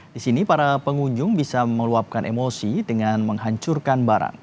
di sini para pengunjung bisa meluapkan emosi dengan menghancurkan barang